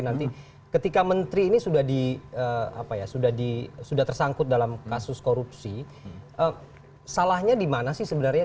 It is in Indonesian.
jadi ketika menteri ini sudah tersangkut dalam kasus korupsi salahnya di mana sih sebenarnya